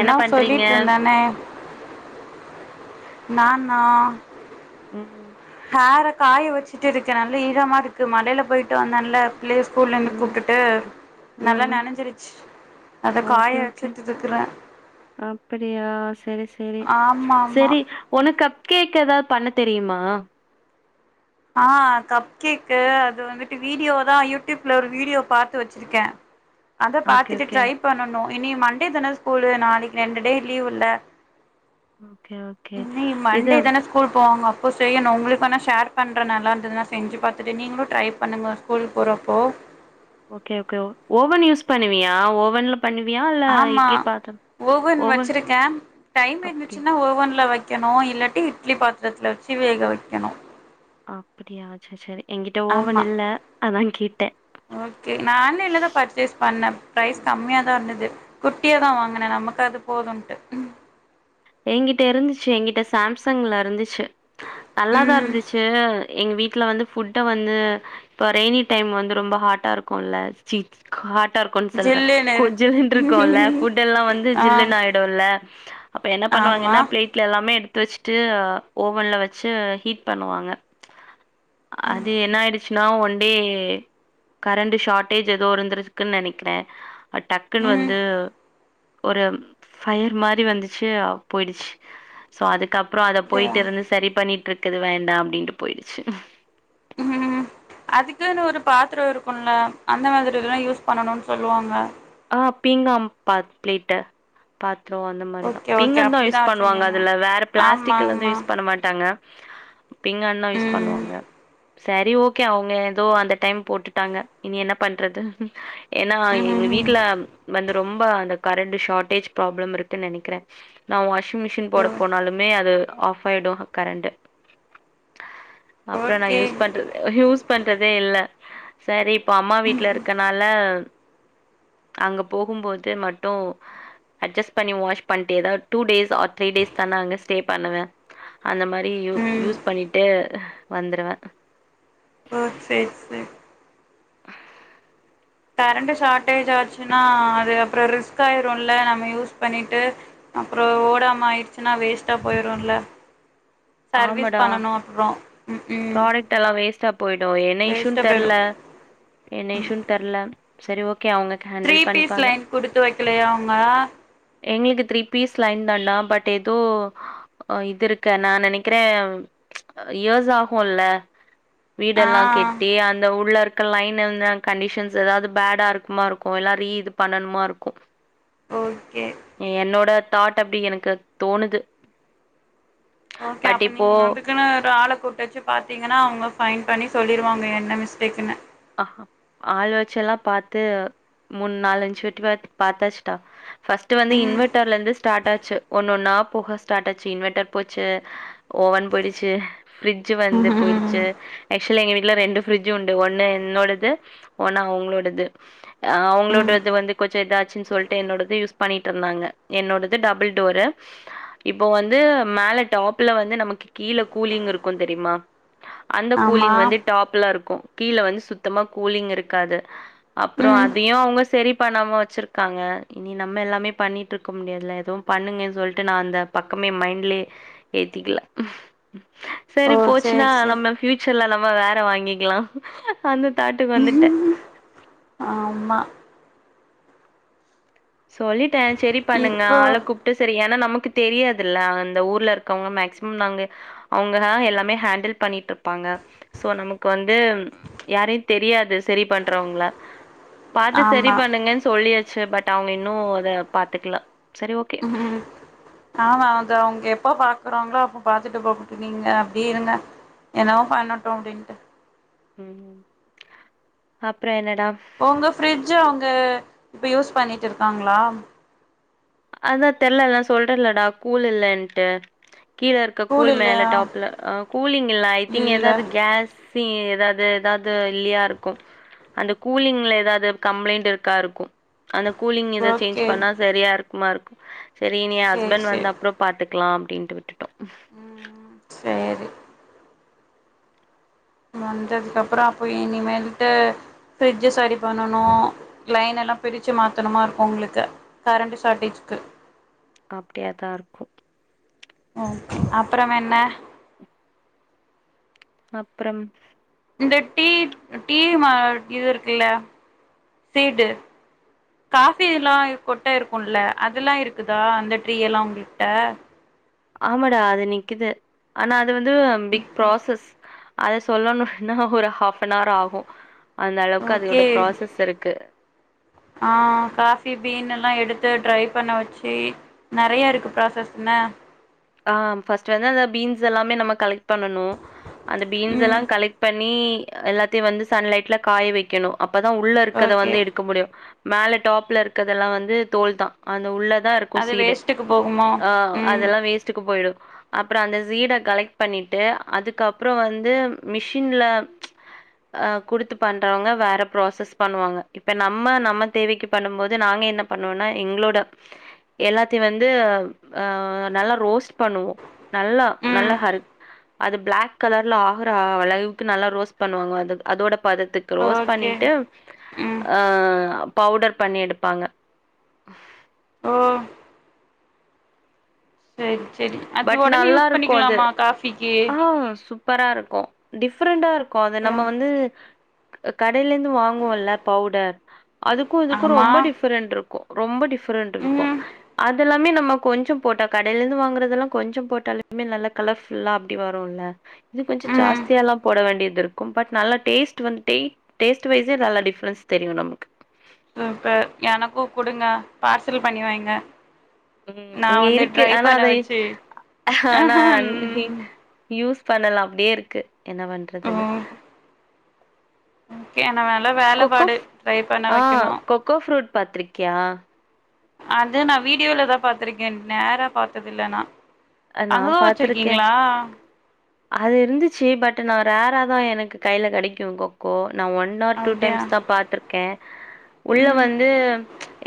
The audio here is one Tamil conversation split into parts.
என்ன பண்றீங்க சொல்லிட்டு இருந்தனே நானா ம் ஹேர காய வச்சுட்டு இருக்க நல்ல ஈரமா இருக்கு மழைல போயிட்டு வந்தல்ல ப்ளே ஸ்கூல்ல இருந்து ம் கூப்டுட்டு நல்லா ம் நனைஞ்சிருச்சு அத ஓகே காய ஓகே வச்சுட்டு இருக்கற அப்படியா செரி செரி ஆமா ஆமா செரி உனக் கப் கேக் ஏதாது பண்ண தெரியுமா ஆ கப் கேக் அது வந்துட்டு வீடியோ தா யூடியூப்ல ஒரு வீடியோ பாத்து வச்சு கே அத ஓகே பாத்துட்டு ஓகே ட்ரை பண்ணணு இனி மண்டே தான ஸ்கூலு நாளைக்கு ரெண்டு டே லீவ் இல்ல ஓகே ஓகே நீ இது மண்டே தான ஸ்கூல் போவாங்க அப்போ செய்யணு உங்களுக்கு வேனா ஷேர் பண்ற நல்லா இருந்ததுதா செஞ்சு பாத்துட்டு நீங்களு ட்ரை பண்ணுங்க ஸ்கூலுக்கு போறப்போ ஓகே ஓகே ஓவன் யூஸ் பண்ணுவியா ஓவன்ல பண்ணுவியால் ஆமா ஓவன் வச்சிருக்கே டைம் அப்டி இருந்துச்சுன்னா ஓவன்ல வக் கெணு இல்லாட்டி இட்லி பாத்திரத்தில வச்சு வேக வைக்கணு அப்டியா செரி செரி எங்கிட்ட ஓவன் ஆமா இல்ல அதா கேட்டே ஓகே நாஆன்லைன்ல தா பர்ச்சேஸ் பண்ணே ப்ரைஸ் கம்மியா தா இருந்தது குட்டிய தா வாங்குனே நமக்கு அது போதுன்ட்டு எ கிட்ட இருந்துச்சு எகிட்ட சாம்சங்ல இருந்துச்சு நல்லாதா ம் இருந்துச்சு எங்க வீட்ல வந்து ஃபுட்ட வந்து இப்போ ரெய்னி டைம் வந்து ரொம்ப ஹாட்டா இருக்குல்ல சீ காட்டா இருக்குன் சொல்ற ஜில்லுனு கொஜலுன்ருக்குல்ல இருக்கு ஃபுட் எல்லா வந்து ஆ ஜில்லுனு ஆய்டு டுல்ல அப்ப என்ன ஆமா பண்ணுவாங்கனா பிளேட் ட்ல எல்லாமே எடுத்து வச்சுட்டு ஓவன்ல வச்சு ஹீட் பண்ணுவாங்க அது என்ன ஆயிடுச் சுனா ஒன்டே கரண்ட் ஷார்ட்டேஜ் ஏதோ இருந்தரக்குன் நினைக்கிறே அது டக்குன்னு ம் வந்து ஒரு ஃபயர் மாரி வந்து ச்சு அப் போயிடுச்சி சோ அதுக்கப்புறோ அத அப்டியா போய்ட்டு வந்து சரி பண்ணிட்டுர்க் குது வேண்டா அப்டின்ட்டு போயிடுச்சு ம் அதுக்குன்னு ஒரு பாத்திரோ இருக்குல்ல அந்த மாதிரில்லா யூஸ் பண்ணணு சொல்லுவாங்க ஆ பீங்காம் பாத் பிளேட்டு பாத்ரோ அந்த மாரிதா ஓகே ஓகே பீங்கதா யூஸ் அப்டிதா பண்ணுவாங்க வச்சிருந்தீங்களா அதுல வேற ஆமா பிளாஸ்டிக்லது ஆமா யூஸ் பண்ண மாட்டாங்க பீங்கான்தா யூஸ் ம் பண்ணுவாங்க செரி ஓகே அவுங்கள ஏதோ அந்த டைம் போட்டுட்டாங்க இனி என்ன பண்றது ஏன்னா எங்க ம் வீட்ல வந்து ரொம்ப அந்த கரண்டு ஷாட்டேஜ் ப்ராப்ளம் இருக்குன் நெனைக்கிறே நா வாஷிங் மிஷின் ஓ போட போனாலுமே அது ஆஃப் ஆகிடு கரெண்டு அப்றோ நா ஓகே யூஸ் பன் ஹியூஸ் பண்றதே இல்ல சரி இப்ப அம்மா வீட்ல இருக்கனால அங்க போகும்போது மட்டு அஜ்ஜஸ் பண்ணி வாஷ் பண்ட்டேதா ட்டூ டேஸ் ஆர் த்ரீ டேஸ்தா நா அங்க ஸ்டே பண்ணுவே அந்த மாரி யூ ம் யூஸ் பண்னிட்டு வந்துருவ ஓ செரி செரி [inaudible] கரண்டு ஷாட்டேஜ் ஆச்சுன்னா அது அப்புறோ ரிஸ்க் ஆயிருல்ல நம்ம யூஸ் பண்ணிட்டு அப்றோ ஓடாம ஆய்டுச்சுன்னா வேஸ்ட்டா போயிருல்ல சர்வீஸ் ஆமாடா பண்ணனு அப்றோ ப்ராடக்ட் எல்லா வேஸ்ட்டா போய்டு என்ன இஷ்யுன் வேஸ்ட்டா போயிரு தெர்ல என்ன இஷ்யுன்னு தெர்ல செரி ஓகே அவுங்க த்ரீ பீஸ் லைன் குடுத்து வெக்கலையா அவுங்க எங்ளுக்கு த்ரீ பீஸ் லைன்தான்டா பட் எதோ இது இருக்க நா நெனை க்கிறே இயர்ஸ் ஆகுல்ல வீடெல்லா ஆ கெட்டி அந்த உள்ளரு க்க லைன் இர்ந்த கன்டிஷன்ஸ் எதாவ்து பேடா இருக்குமாருக்கு எல்லா ரீ இது பண்ணணுமாருக்கு ஓகே என்னோட தாட் அப்டி எனக்கு தோனுது ஓகே அப்ப இப்போ நீங்க அதுக்குனு ஒரு ஆள கூட்டு வச்சு பாத்தீங்கன்னா அவுங்க ஃபயின்ட் பண்ணி சொல்லிருவாங்க என்ன மிஸ்டேக்குன்னு அ ஹா ஆள் வச்செல்லா பாத்து மூன் நாலஞ் வாட்டி வா பாத்தாச்சுட்டா ஃபர்ஸ்ட்டு வந்து ம் இன்வெட்டர்லர்ந்து ஸ்டார்ட்டாச்சு ஒன்னொன்னா போக ஸ்டார்ட்டாச்சு இன்வெட்டர் போச்சு ஓவன் போய்டுச்சு ஃப்ரிஜ்ஜு வந்து போய்டுச்சு ம் ஆக்சுவலா எங்க வீட்ல ரெண்டு ஃப்ரிஜ்ஜு உண்டு ஒன்னு என்னோடது ஒன்னு அவுங்ளோடது ஆ ம் அவுங்ளோடது வந்து கொஞ்சோ இதாச்சுன் சொல்ட்டு என்னோடது யூஸ் பண்ணிட்ருந்தாங்க என்னோட து டபுள் டோரு இப்போ வந்து மேல டாப்ல வந்து நமக்கு கீழ கூலிங் இருக்கு தெரிமா அந்த ஆமா கூலிங் வந்து டாப்லருக்கு கீழ வந்து சுத்தமா கூலிங் இருக்காது அப்றோ ம் அதயு அவுங்க செரி பண்ணாம வச்சிருக்காங்க இனி நம்ம எல்லாமே பண்ணிட்ருக்க முடியாதுல எதுவு பண்ணுங்க சொல்ட்டு நா அந்த பக்கமே மைன்ட்லே ஏத்திக்ல ஓ செரி போச்சுன்னா சேரி சேரி நம்ம ஃப்யூச்சர்ல நம்ம வேற வாங்கிக்லா அந்த தாட்டுக்கு வந்துட்டே ஆம்மா சொல்லிட்டே செரி பண்ணுங்க இப்போ ஆள கூ ட்டு செரி ஏனா நமக்கு தெரியாதுல்ல அந்த ஊர்ல இருக்கோங்க மேக்சிமம் நாங்க அவுங்களா எல்லாமே ஹேண்டில் பண்ணிட்ருப்பாங்க ஸோ நமக்கு வந்து யாரையு தெரியாது செரி பண்றோங்கள பாத்து செரி ஆமா பண்ணுங்கன் சொல்லியாச்சு பட் அவுங்க இன்னு அது பாத்துக்ல ம் ஆமா அவுங்க அவுங்க எப்போ பாக்றாங்ளோ அப்ப பாத்துட்டு போகட்டு நீங்க அப்டியே இருங்க என்னவோ பண்ணட்டு அப்டின்ட்டு ம் அப்றோ என்னடா உங்க ஃப்ரிட்ஜு அவுங்க இப்ப யூஸ் பண்ணிட்டு இருக்காங்ளா அதா தெர்ல அதா சொல்றேலடா கூல் இல்லென்ட்டு கீழருக்க கூல் மேல டாப்ல அ கூலிங் இல்ல ஐ திங்க் இல்ல எதாது கேஸ் சி எதாது எதாது இல்லயாருக்கு அந்த கூலிங்ல எதாவ்து கம்ப்ளைண்ட் இருக்காருக்கு அந்த கூலிங் இத சேஞ்ச் ஓகே பண்ணா சரியா இருக்குமாருக்கு செரி இனி சேரி அஸ்பண்ட் சேரி வந்தப்றோ பாத்துக்லா அப்டின்ட்டு விட்டுட்டோ ம் ம் சேரி வந்ததுக்கப்றோ அப்ப இனிமேல்ட்டு ஃப்ரிட்ஜ சரி பண்ணணு லைனலா பிரிச்சு மாத்தனுமாருக்கு உங்ளுக்கு கரண்ட்டு ஷார்ட்டேஜ்க்கு அப்டியா தாருக்கு ம் அப்றம் என்ன அப்றம் இந்த டீ டீ மா இது இருக்குல்ல சீடு காஃபில்லா கொட்ட இருக்குல அதெல்லா இருக்குதா அந்த ட்ரீ எல்லா உங்ள்ட்ட ஆமாடா அது நிக்குது ஆனா அது வந்து பிக் ப்ராசஸ் அத சொல்லணும்னா ஒரு ஹாஃப்பனார் ஆகு அந்த அளவுக்கு அதோட ஓகே ப்ராசஸ் இருக்கு ஆ காபி பீன் எல்லா எடுத்து டிரை பண்ண வச்சு நெறைய ருக்கு ப்ராசஸ் என்ன ஆ ஃபஸ்ட் வந்து அந்த பீன்ஸ் எல்லாமே நம்ம கலெட் பண்ணனு அந்த பீன்ஸ் எல்லா ம் கலெட் பண்ணி எல்லாத்தையு வந்து சன்லைட்ல காய வெக்கணு அப்பதா உள்ள இருக்கத வந்து ஓகே எடு க்கா முடியு மேல டாப்ல இருக்கதெல்லா வந்து தோல் தா அந்த உள்ள தா ருக் க்கு அது சீடு வேஸ்ட்டுக்கு போகுமோ அ ம் அதெல்லா வேஸ்ட்டுக்கு போய்டு அப்புற அந்த சீட கலெட் பண்ணிட்டு அதுக்கப்புற வந்து மிஷின்ல கொடுத்து பண்றவங்க வேற ப்ராசஸ் பண்ணுவாங்க இப்ப நம்ம நம்ம தேவக்கி பண்ணும் போது நாங்க என்ன பண்ணுவோன்னா எங்ளோட எல்லாத்தையு வந்து அ நல்லா ரோஸ்ட் மிக்ஸ் பண்ணுவோ நல்லா நல்ல ம் ஹர் அது பிளாக் கலர்ல ஆகுற அளவுக்கு நல்லா ரோஸ்ட் பண்ணுவாங்க அது அதோட பதத்துக் ரோஸ்ட் ஓகே பண்ணிட்டு ம் பவுடர் ஆ பண்ணி எடுப்பாங்க ஓ செரி செரி அது பட் ஒடனே யூஸ் நல்லாருக்கு அது பண்ணிக்கலாமா காஃபிக்கு சூப் ப்பரா இருக்கு டிஃப்ரெண்டா ருக்கு அது நம்ம வந்து கடையிலந்து வாங்குவோல்ல பவுடர் அதுக்கு இதுக்கு ஆமா ரொம்ப டிஃப்ரெண்ட் ருக் ரொம்ப டிஃப்ரெண்ட் ருக்கு ம் அதெல்லாமே நம்ம கொஞ்ச போட்டா கடையில ந்து வாங்க ங்கிறதுல்லா கொஞ்ச போட்டாலுமே நல்ல கலர்ஃபுல்லா அப்டி வருல்ல இது கொஞ்ச ம் ஜாஸ்தியால்லா போட வேண்டியதிருக்கும் பட் நல்ல டேஸ்ட் வந்துட்டே டேஸ்ட் வைஸ்ஸே நல்லா டிஃப்ரென்ஸ் தெரியு நமக்கு சூப்பர் எனக்கு குடுங்க பார்சல் பண்ணி வைங்க உம் நா இங்க வந்து இருக்கு ட்ரை ஆனா பண்ண அதை வச்சு ஆனா ம் யூஸ் பண்ணலா அப்டியே ருக்கு என்ன ஓ பண்றதுன்னு ஓகே ஆனா வெலா வேலபாடு ட்ரை பண்ண வக்கணு கோ ஃப்ரூட் பாத்ரிக்யா அது நா வீடியோலதா பாத்துருக்கே நேரா பாத்ததில்ல நா அ நான் அனுபவ் பாத்துருக்கேன். வச்சிருக்கீங்ளா அது இருந்துச்சு பட் நா ரேரா தா எனக்கு கையில கெடைக்கு கொக்கோ நா ஒன் நா டூ அப்டியா டைம்ஸ்தா பாத்துர்க்கே உள்ள ம் வந்து,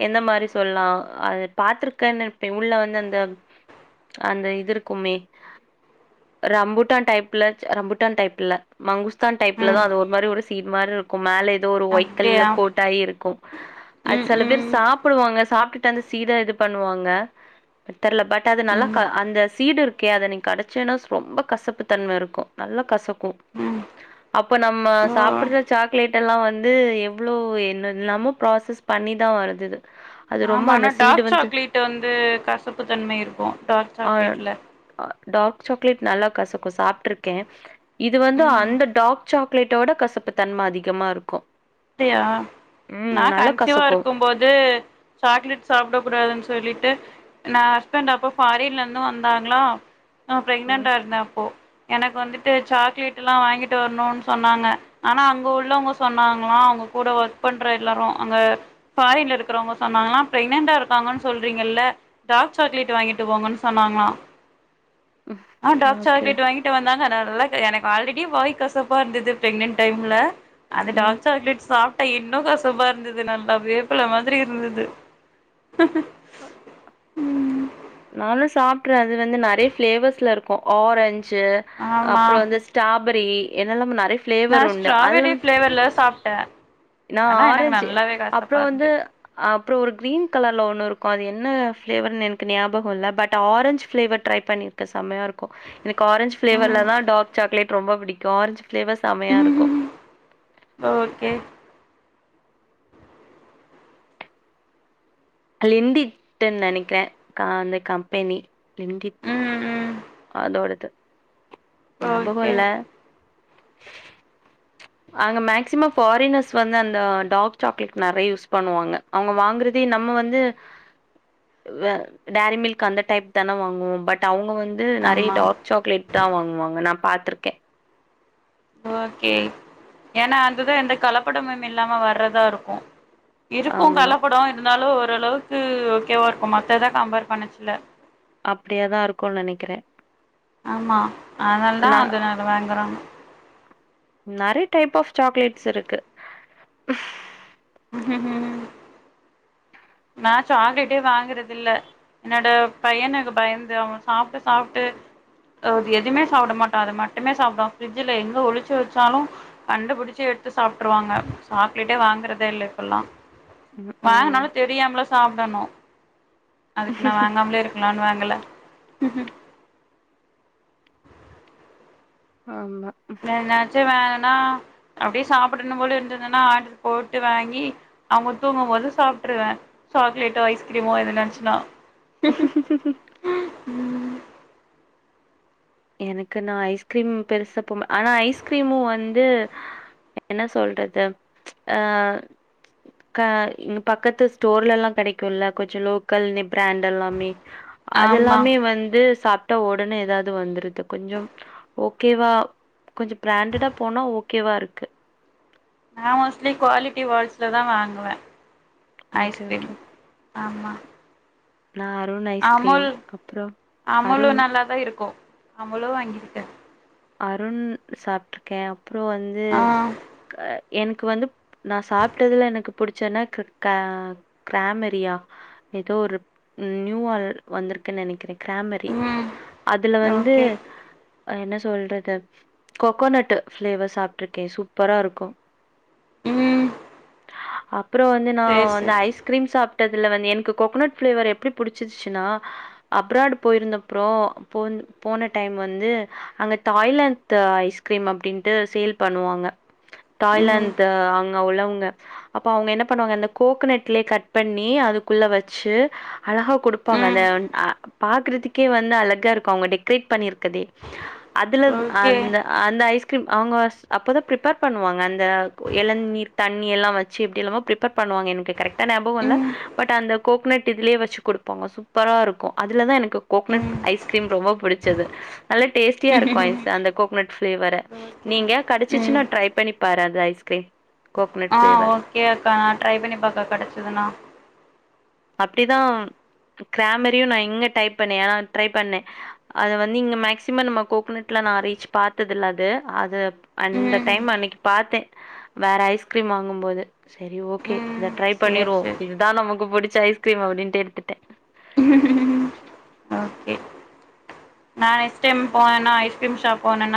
எந்த மாரி சொல்லா அது பாத்திருக்கேன்னு இப்ப உள்ள வந்து அந்த அந்த இது இருக்குமே ரம்புட்டான் டைப்ல ரம்புட்டான் டைப் இல்ல. மங்குஸ்தான் ம் டைப்லதா அது ஒரு மாரி ஒரு சீட் மாரி இரு க்கு மேல ஏதோ ஒரு ஒய்ட் கலர்ல அப்டியா கோட்டாயி ருக்கு. அது ம் செல பேர் ம் சாப்ப ப்டுவாங்க சாப்டுட்டு அந்த சீட இது பண்ணுவாங்க. தெர்ல பட் அது நல்ல ம் அந்த சீடுருக் க்கே அத நீ கடுச்சன்னா ரொம்ப கசப்பு தன்ம இருக்கு. நல்லா கசக்கு ம் அப்போ நம்ம ஓ சாப்புட்ற சாக்லேட் எல்லா வந்து எவ்ளோ என்ன என்னலாமோ ப்ராசஸ் பண்ணிதா வருது [inaudible] ஆமா அந்த ஆனா சீடு டார்க் வந்து சாக்லேட் வந்து கசப்பு தன்மை இருக்கு டார்க் ஆ சாக்லேட்ல. டார்க் சாக்லேட் நல்லா கசக்கு சாப்ட்ருக்கே. இது வந்து ம் அந்த டார்க் சாக்லேட்ட விட கசப்பு தன்ம அதிகமா ருக்கு. அப்டியா, நா கன்சிவா கசக்கும். ருக்குபோது, சாக்லேட் சாப்ட கூடாதுன்னு சொல்லிட்டு, நா ஹஸ்பண்ட் அப்போ ஃபாரின்ல இருந்து வந்தாங்களா நா ம் பிரெக்னன்டா இருந்த அப்போ எனக்கு வந்துட்டு சாக்லேட் எல்லா வாங்கிட்டு வரணுனு சொன்னாங்க ஆனா அங்க உள்ளவங்க சொன்னாங் களா அவங்க கூட ஒர்க் பண்ற எல்லாரு அங்க ஃபாரின்ல இருக்கிறவங்க சொன்னாங்கலா பிரெக்னன்டா இருக்கான்னு சொல்றீங்கல்ல டார்க் சாக்லேட் வாங்கிட்டு போங்கன் சொன்னாங்களா [inaudible] ஆ டார்க் ஓகே சாக்லேட் வாங்கி ட்டு வந்தாங்க நல்ல எனக்கு ஆல்ரெடி வாய் கசப்பா இருந்துது பிரெக்னன்ட் டைம்ல அந்த ம். டார்க் ஆ சாக்லேட் சாப்ட்டா இன்னு கசப்பா இருந்துது நல்லா வேப்பல மாதிரி இருந்துது நானு சாப்ட்ற அது வந்து நறயா ப்ளேவர்ஸ்ல இருக்கு ஆரஞ்சு ஆமா அப்றோ வந்து ஸ்ராபெரி என்னெல்லாமோ நறைய நா ஃப்ளேவர் உண்டு அதல ஸ்ட்ராபெரி வந்து ஃபிளேவர்ல சாப்ட்டே நா ஆனா எனக்கு ஆரஞ்சு நல்லாவே அப்பறோ கசப்பா இருந்து வந்து ஆ அப்பறோ ஒரு க்ரீன் கலர்ல ஒன்னு இருக்கு அது என்ன ஃப்ளேவர்னு எனக் கு ஞாபகோ இல்ல பட் ஆரஞ்ச் ஃப்ளேவர் ட்ரை பண்ணிருக்க சமையா இருக்கு எனக்கு ஆரஞ்ச் ம் ஃப்ளேவர்லதா டார்க் சாக்லெட் ரொம்ப புடிக்கு ஆரஞ்ச் ஃபிளேவர் செம்மையா இருக்கு. ம் ஓகே லிண்டிட்டன் நெனைக்கிறே கா அந்த கம்பெனி லிண்டிட் ம் ம் அதோடது ஓகே ஞாபகோல்ல அங்க மேக்சிமம் ஃபாரினர்ஸ் வந்து அந்த டார்க் சாக்லேட் நறைய யூஸ் பண்ணுவாங்க அவங்க வாங்கறதே நம்ம வந்து வ டேரி மில்க் அந்த டைப் தான வாங்குவோ பட் அவங்க வந் து நறைய ஆமா டார்க் சாக்லேட்தா வாங்குவாங்க நா பாத்திருக்கே ஓகே ஏனா அதுதா எந்த கலப்படமும் இல்லாம வர்றதா இருக்கு இருக்கு ஆமா. கலப்படோ இருந்தாலு ஓரளவுக்கு ஓகேவா இருக்கு மத்தத கம்பேர் பண்ணச்சுல அப்டியாதா இருக்கு நெனைக்கிறே ஆமா அதனாலதா நா அத நாங்க வாங்குறோ நெறைய டைப் ஆப் சாக்லேட்ஸ் இருக்கு [inaudible] நா சாக்லேட்டே வாங்கறதுல்ல என்னோட பையனுக்கு பயந்து அவ சாப்ட்டு சாப்ட்டு எதுமே சாப்ட மாட்டா அது மட்டனே சாப்பட ஃப்ரிட்ஜ்ல எங்க ஒழிச்சு வச்சாலு கண்டுபுடிச்சு எடுத்து சாப்ட்டுருவாங்க சாக்லேட்டே வாங்குறதே இல்ல இப்பல்லா ம். ம். வாங்கனாலு தெரியாமல சாப்டணு அதுக்கு நா வாங்காமலே இருக்கலான்னு வாங்கல ஆமா வேண்டாட்டி வேணா அப்டியே சாப்படணும் போல இருந்ததுன்னா ஆடுரு போட்டு வாங்கி அவங்க தூங்கும்போது சாப்ட்ருவே சாக்லேட்டோ ஐஸ்கிரீமோ எதுன இருந்துச்சுன்னா எனக்கு நா ஐஸ்கிரீம் பெருசப்பன் ஆனா ஐஸ்கிரீமும் வந்து என்ன சொல்றது அ கா இங்க பக்கத்து ஸ்டோர்ல எல்லா கிடைக்கும்ல்ல கொஞ்ச லோக்கல்னு பிராண்ட் எல்லாமே ஆமா அதெல்லாமே வந்து சாப்ட்டா ஒடனே ஏதாவது வந்து கொஞ்சம் ஓகேவா கொஞ்சம் பிராண்டடா போனா ஓகேவா இருக்கு நா மோஸ்ட்லி குவாலிட்டி வால்ஸ்ல தா வாங்குவே ஓகே ஐஸ்கிரீம் ஓகே ஆமா நா அருணே அமுல் அமுலு நல்லாதா இருக்கு அமுலு வாங்கியிருக்க அருண் சாப்ட்ருக்கே அப்பற வந்து ஆ க எனக்கு வந்து நா சாப்ட்டதுல எனக்கு புடிச்சன்னா க கிராமெரியா எதோ ஒரு நியூ ஆர் வந்திருக்குன் நெனைக்கிற கிராமரி ம் அதுல வந்து ஓகே என்ன சொ சொல்றது கொகோனட்டு் ஃப்ளேவர் சாப்ட்ருக்கே சூப்பரா இருக்கு ம் அப்பற வந்து நா சேரி வந்து சேரி ஐஸ்கிரீம் சாப்ட்டதுல வந்து எனக்கு கோகனட் ஃப்ளேவர் எப்டி புடுச்சிச்சுனா அப்ராட் போயிருந்தப்றோ போ போன டைம் வந்து அங்க தாய்லாந்த் ஐஸ்கிரீம் அப்டின்ட்டு சேல் பண்ணுவாங்க ம் தாய்லாந்து அங்க உள்ளவங்க அப்ப அவங்க என்ன பண்ணுவாங்க அந்த கோகனட்லயே கட் பண்ணி அதுக்குள்ள வச்சு அழகா குடுப்பாங்க ம் அந்த அ பாக்குறதுக்கே வந்து அழகா இருக்கு அவங்க டெக்கரேட் பண்ணிருக்கதே அதுல ஓகே அந்த அந்த ஐஸ்கிரீம் அவங்க அப்போதா ப்ரிப்பேர் பண்ணுவாங்க அந்த இளநீர் தண்ணி எல்லா வச் ச்சு எப்டில்லாமோ பிரிப்பர் பண்ணுவாங்க எனக்கு கரெக்டா நியாபக இல்ல ம் பட் அந்த கோக்னட் இதுலயே வச்சு குடுப்பாங்க சூப்பரா இருக்கு அதுலதா எனக்கு கோக்னட் ம் ஐஸ்கிரீம் ரொம்ப புடிச்சது நல்ல டேஸ்டியா இருக்கு ஐஸ் அந்த கோகனட் பிளேவர ஓகே நீங்க ம் கடச்சிச்சுனா ட்ரை பண்ணி பாரு அது ஐஸ்கிரீம் கோக்னட் ஆ ஃப்ளேவர் ஓகேக்கா நா ட்ரை பண்ணி பாக்க கெடைச்சதுண்ணா அப்டிதா கிராமரியு நா இங்க டைப் பண்ணே ஆ ட்ரை பண்ணே அது வந்து இங்க மேக்சிமம் நம்ம கோகனட்ல நான் ரீச் பாத்ததுல்ல அது அது அந்த ம் டைம் அன்னைக்கு பாத்தே வேற ஐஸ்கிரீம் வாங்குபோது சரி ஓகே இத ம் ட்ரை சேரி பண்ணிருவோ சேரி இதுதான் நமக்கு புடிச்ச ஐஸ் கிரீம் அப்டின்ட்டு எடுத்துட்ட ஓகே நா நெக்ஸ்ட் டைம் போனனா ஐஸ்கிரீம் ஷாப் போனனா